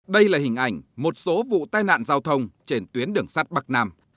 đây là hình ảnh một số vụ tai nạn giao thông trên tuyến đường sắt bắc nam